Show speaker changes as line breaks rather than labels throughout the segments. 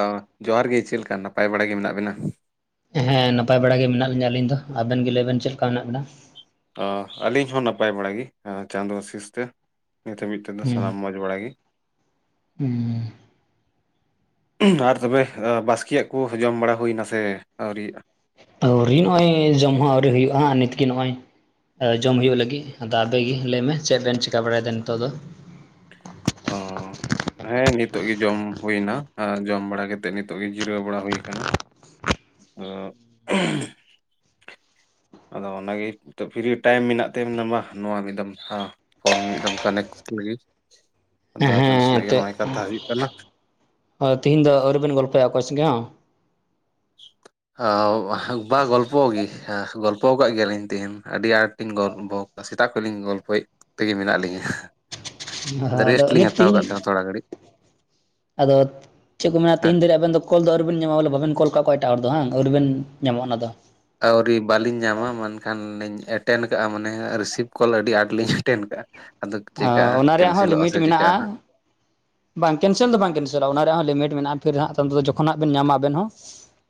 ᱚ ᱡᱚᱦᱟᱨ ᱜᱮ, ᱪᱮᱫ ᱞᱮᱠᱟ ᱱᱟᱯᱟᱭ ᱵᱟᱲᱟ ᱜᱮ ᱢᱮᱱᱟᱜ ᱵᱮᱱᱟ?
ᱦᱮᱸ, ᱱᱟᱯᱟᱭ ᱵᱟᱲᱟ ᱜᱮ ᱢᱮᱱᱟᱜ ᱞᱤᱧᱟ ᱟᱹᱞᱤᱧ ᱫᱚ, ᱟᱵᱮᱱ ᱜᱮ ᱞᱟᱹᱭᱵᱮᱱ ᱪᱮᱫ ᱞᱮᱠᱟ ᱢᱮᱱᱟᱜ ᱵᱮᱱᱟ?
ᱛᱚ ᱟᱹᱞᱤᱧ ᱦᱚᱸ ᱱᱟᱯᱟᱭ ᱵᱟᱲᱟᱜᱤ ᱪᱟᱸᱫᱚ ᱟᱹᱥᱤᱥ ᱛᱮ, ᱱᱤᱛ ᱦᱟᱹᱵᱤᱡ ᱛᱮᱫᱚ ᱥᱟᱱᱟᱢ
ᱦᱩᱸ
ᱢᱚᱸᱡᱽ ᱵᱟᱲᱟᱜ ᱜᱮ᱾
ᱦᱩᱸ᱾
ᱟᱨ ᱛᱚᱵᱮ ᱵᱟᱥᱠᱮᱭᱟᱜ ᱠᱚ ᱡᱚᱢ ᱵᱟᱲᱟ ᱦᱩᱭᱱᱟ ᱥᱮ ᱟᱹᱣᱨᱤᱭᱟᱜ-ᱟ?
ᱟᱹᱣᱨᱤ ᱱᱚᱜᱼᱚᱭ ᱡᱚᱢ ᱦᱚᱸ ᱟᱹᱣᱨᱤ ᱦᱩᱭᱩᱜᱼᱟ ᱦᱟᱸᱜ ᱱᱤᱛᱜᱮ ᱱᱚᱜᱼᱚᱭ, ᱡᱚᱢ ᱦᱩᱭᱩᱜ ᱞᱟᱹᱜᱤᱫ, ᱟᱫᱚ ᱟᱵᱮᱜᱤ ᱞᱟᱹᱭᱢᱮ ᱪᱮᱫ ᱵᱮᱱ ᱪᱤᱠᱟ ᱵᱟᱲᱟᱭᱮᱫᱟ ᱱᱤᱛᱚᱜ ᱫᱚ?
ᱚᱸ ᱦᱮᱸ ᱱᱤᱛᱚᱜ ᱜᱮ ᱡᱚᱢ ᱦᱩᱭᱱᱟ ᱟᱨ ᱡᱚᱢ ᱵᱟᱲᱟ ᱠᱟᱛᱮᱜ ᱱᱤᱛᱚᱜ ᱜᱮ ᱡᱤᱨᱟᱹᱣ ᱵᱟᱲᱟ ᱦᱩᱭ ᱟᱠᱟᱱᱟ᱾ ᱚ ᱦᱩᱸ ᱟᱫᱚ ᱚᱱᱟᱜᱮ, ᱱᱤᱛᱚᱜ ᱯᱷᱨᱤ ᱴᱟᱭᱤᱢ ᱢᱮᱱᱟᱜ ᱛᱮ ᱢᱟ ᱱᱚᱣᱟ ᱢᱤᱫ ᱫᱚᱢ ᱦᱟ, ᱯᱷᱳᱱ ᱢᱤᱫ ᱫᱷᱚᱢ ᱠᱟᱱᱮᱠᱥᱴ ᱞᱮᱜᱮ, ᱟᱫᱚ ᱟᱵᱮᱱ
ᱦᱮᱸ
ᱥᱟᱞᱟᱜ ᱜᱮ ᱱᱚᱜ-ᱚᱭ ᱠᱟᱛᱷᱟ ᱦᱩᱭᱩᱜ ᱠᱟᱱᱟ᱾
ᱦᱳᱭ, ᱛᱤᱦᱤᱧ ᱫᱚ ᱟᱹᱣᱨᱤ ᱵᱮᱱ ᱜᱚᱞᱯᱷᱚᱭᱟ ᱚᱠᱚᱭ ᱥᱚᱸᱜᱮᱜ ᱦᱚᱸ?
ᱟᱣ ᱵᱟ ᱜᱚᱞᱯᱚ ᱜᱤ ᱦᱟ ᱜᱚᱞᱯ ᱜᱚ ᱠᱟᱜ ᱜᱮᱭᱟᱞᱤᱧ ᱛᱮᱦᱮᱧ ᱟᱹᱰᱤ ᱟᱸᱴᱤ ᱞᱤᱧ ᱜᱚᱞᱵᱚᱠᱟᱜ-ᱟ ᱥᱮᱛᱟᱜ ᱠᱷᱚᱡ ᱞᱤᱧ ᱜᱚᱞᱯᱷᱚᱭᱮᱫ ᱛᱮᱜᱮ ᱢᱮᱱᱟᱜ ᱞᱮᱤᱧᱟᱹ᱾
ᱦᱟᱦᱟ ᱟᱫᱚ ᱩᱱᱤ ᱛᱤᱦᱤᱧ,
ᱛᱷᱚᱲᱟ ᱜᱷᱟᱹᱲᱤᱡ
ᱟᱫᱚ ᱪᱮᱫ ᱠᱚ ᱢᱮᱱᱟ
ᱦᱮᱸ
ᱛᱤᱦᱤᱧ ᱫᱷᱟᱹᱨᱤᱜ ᱟᱵᱮᱱ ᱫᱚ ᱠᱚᱞ ᱫᱚ ᱟᱹᱣᱨᱤᱵᱮᱱ ᱧᱟᱢᱟ ᱵᱚᱞᱮ ᱵᱟᱵᱮᱱ ᱠᱚᱞ ᱠᱟᱜ ᱠᱚᱣᱟ ᱮᱴᱟᱜ ᱦᱚᱲ ᱫᱚ ᱦᱟᱝ ᱟᱹᱣᱨᱤᱵᱮᱱ ᱧᱟᱢᱚᱜ-ᱟ ᱚᱱᱟ ᱫᱚ?
ᱟᱹᱣᱨᱤ ᱵᱟᱞᱤᱧ ᱧᱟᱢᱟ ᱢᱮᱱᱠᱷᱟᱱ ᱞᱤᱧ ᱮᱴᱮᱱ ᱠᱟᱜᱼᱟ ᱢᱟᱱᱮ ᱨᱤᱥᱤᱵᱷ ᱠᱚᱞ ᱟᱹᱰᱤ ᱟᱸᱴ ᱞᱤᱧ ᱮᱴᱮᱱ ᱠᱟᱜᱼᱟ᱾ ᱟᱫᱚᱠ ᱪᱮᱠᱟ ᱦᱟᱸᱜ
ᱚᱱᱟ ᱨᱮᱭᱟᱜ ᱦᱚᱸ
ᱠᱮᱱᱥᱮᱞᱚᱜᱼᱟ
ᱞᱤᱢᱤᱴ
ᱥᱮ
ᱢᱮᱱᱟᱜᱼᱟ
ᱪᱤᱠᱟᱹᱜ-ᱟ ᱦᱟᱸᱜ?
[inaudible] ᱵᱟᱝ ᱠᱮᱱᱥᱮᱞ ᱫᱚ ᱵᱟᱝ ᱠᱮᱱᱥᱤᱮᱞᱚᱜᱼᱟ ᱚᱱᱟ ᱨᱮᱭᱟᱜ ᱞᱤᱢᱤᱴ ᱢᱮᱱᱟᱜᱼᱟ ᱯᱷᱤᱨ ᱛᱟᱭᱚᱢ ᱛᱚ ᱡᱚᱠᱷᱚᱱ ᱵᱮᱱ ᱧᱟᱢᱟ ᱟᱵᱮᱱ ᱦᱚᱸ᱾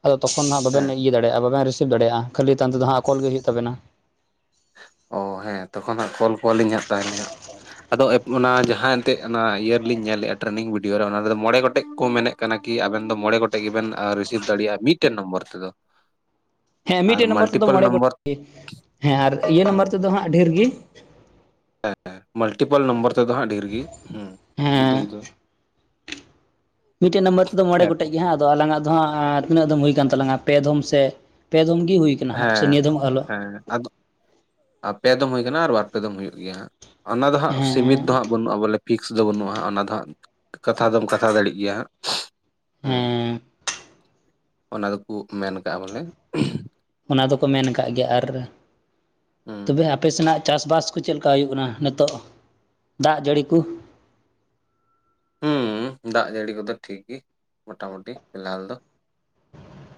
ᱟᱫᱚ ᱛᱚᱠᱷᱚᱱ ᱦᱟᱸᱜ
ᱦᱮᱸ
ᱵᱟᱵᱮᱱ ᱤᱭᱟᱹ ᱫᱟᱲᱮᱭᱟᱜᱼᱟ ᱵᱟᱵᱮᱱ ᱨᱤᱥᱤᱵ ᱫᱟᱲᱮᱭᱟᱜᱼᱟ ᱠᱷᱟᱹᱞᱤ ᱛᱟᱭᱚᱢ ᱛᱮᱫᱚ ᱦᱟᱸᱜ ᱠᱚᱞ ᱜᱮ ᱦᱩᱭᱩᱜ ᱛᱟᱵᱮᱱᱟ᱾
ᱚ ᱦᱮᱸ ᱛᱚᱠᱷᱚᱱ ᱦᱟᱸᱜ ᱠᱚᱞ ᱠᱚᱣᱟᱞᱤᱧ ᱦᱟᱸᱜ ᱛᱟᱦᱚᱞᱮ ᱦᱟᱸᱜ, ᱟᱫᱚ ᱚᱱᱟ ᱡᱟᱦᱟᱸ ᱮᱱᱛᱮᱫ ᱚᱱᱟ ᱤᱭᱟᱹ ᱨᱮᱞᱤᱧ ᱧᱮᱞ ᱞᱮᱫᱼᱟ ᱴᱨᱮᱱᱤᱝ ᱵᱷᱤᱰᱤᱭᱳ ᱨᱮ ᱚᱱᱟ ᱨᱮᱫᱚ ᱢᱚᱬᱮ ᱜᱚᱴᱮᱜ ᱠᱚ ᱢᱮᱱᱮᱜ ᱠᱟᱱᱟ ᱠᱤ ᱟᱵᱮᱱ ᱫᱚ ᱢᱚᱬᱮ ᱜᱚᱴᱮᱜ ᱜᱮᱵᱮᱱ ᱨᱤᱥᱤᱵᱷ ᱫᱟᱲᱮᱭᱟᱜᱼᱟ ᱢᱤᱫᱴᱮᱱ ᱱᱚᱢᱵᱚᱨ ᱛᱮᱫᱚ᱾
[inaudible] ᱦᱮᱸ
ᱟᱨ
ᱢᱤᱫᱴᱮᱡ ᱱᱟᱢᱵᱟᱨ ᱛᱮᱫᱚ
ᱢᱟᱞᱴᱤᱯᱮᱞ
ᱢᱚᱬᱮ
ᱱᱚᱢᱵᱚᱨ
ᱜᱚᱴᱮᱡ ᱜᱮ ᱦᱮᱸ ᱟᱨ ᱤᱭᱟᱹ ᱱᱟᱢᱵᱟᱨ ᱛᱮᱫᱚ ᱦᱟᱸᱜ ᱰᱷᱚᱨ ᱜᱤ᱾
ᱦᱮᱸ ᱢᱟᱞᱴᱤᱯᱟᱞ ᱱᱚᱢᱵᱚᱨ ᱛᱮᱫᱚ ᱦᱟᱸᱜ ᱰᱷᱤᱨ ᱜᱤ ᱦᱮᱸ ᱡᱩᱫᱟᱹ
ᱦᱮᱸ
ᱡᱩᱫᱟᱹ᱾
ᱢᱤᱫᱴᱮᱜ ᱱᱟᱢᱵᱟᱨ ᱛᱚᱫᱚ ᱢᱚᱬᱮ
ᱦᱮᱸᱛᱚ
ᱜᱚᱴᱮᱡ ᱜᱮ ᱦᱟᱸᱜ᱾ ᱛᱚ ᱟᱞᱟᱝᱟᱜ ᱫᱚ ᱦᱟᱸᱜ ᱛᱤᱱᱟᱹᱜ ᱫᱚᱢ ᱦᱩᱭ ᱠᱟᱱ ᱛᱟᱞᱟᱝᱟ ᱯᱮ ᱫᱷᱚᱢ ᱥᱮ ᱯᱮ ᱫᱷᱚᱢ ᱜᱮ ᱦᱩᱭ, ᱠᱟᱱᱟᱦᱟᱸᱜ ᱯᱟᱥᱮᱡ
ᱦᱮᱸ
ᱱᱤᱭᱟᱹ ᱫᱚᱢ ᱟᱞᱳ᱾
ᱦᱮᱸ ᱟᱫᱚ? ᱯᱮ ᱫᱚᱢ ᱦᱩᱭ ᱠᱟᱱᱟ ᱟᱨ ᱵᱟᱨ ᱯᱮ ᱫᱚᱢ ᱦᱩᱭᱩᱜ ᱜᱮᱭᱟ ᱦᱟᱸᱜ ᱚᱱᱟ ᱫᱚ ᱦᱟᱸᱜ ᱥᱤᱢᱤᱛ
ᱦᱮᱸ
ᱫᱚ ᱦᱟᱸᱜ ᱵᱟᱹᱱᱩᱜᱼᱟ ᱵᱚᱞᱮ ᱯᱷᱤᱠᱥ ᱫᱚ ᱵᱟᱹᱱᱩᱜᱼᱟ ᱚᱱᱟ ᱫᱚ ᱦᱟᱸᱜ ᱠᱟᱛᱷᱟ ᱫᱚᱢ ᱠᱟᱛᱷᱟ ᱫᱟᱲᱮᱜ ᱜᱮᱭᱟ ᱦᱟᱸᱜ᱾ ᱦᱩᱸ
ᱦᱮᱸ
ᱚᱱᱟ ᱫᱚᱠᱩ ᱢᱮᱱ ᱠᱟᱜᱼᱟ ᱵᱚᱞᱮ,
ᱚᱱᱟ ᱫᱚᱠᱚ ᱢᱮᱱ ᱟᱠᱟᱜ ᱜᱮᱭᱟ ᱟᱨ
ᱦᱩᱸ
ᱛᱚᱵᱮ ᱟᱯᱮ ᱥᱮᱱᱟᱜ ᱪᱟᱥᱵᱟᱥ, ᱠᱳ ᱪᱮᱫ ᱞᱮᱠᱟ ᱦᱩᱭᱩᱜ ᱠᱟᱱᱟ ᱱᱤᱛᱚᱜ ᱫᱟᱜᱽ ᱡᱟᱹᱲᱤ ᱠᱚ᱾
ᱦᱩᱸ ᱫᱟᱜᱽ ᱡᱟᱹᱲᱤ ᱠᱚᱫᱚ ᱴᱷᱤᱠ ᱜᱤ ᱢᱚᱴᱟᱢᱩᱴᱤ ᱯᱷᱤᱞᱦᱟᱞ ᱫᱚ᱾